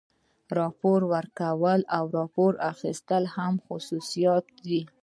راپور ورکول او راپور اخیستل هم خصوصیات دي.